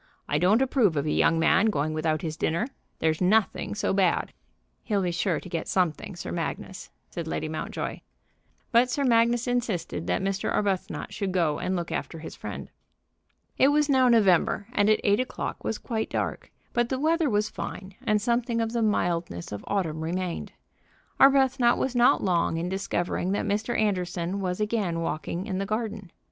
I don't approve of a young man going without his dinner. There's nothing so bad." "He'll be sure to get something, Sir Magnus," said Lady Mountjoy. But Sir Magnus insisted that Mr. Arbuthnot should go and look after his friend. It was now November, and at eight o'clock was quite dark, but the weather was fine, and something of the mildness of autumn remained. Arbuthnot was not long in discovering that Mr. Anderson was again walking in the garden.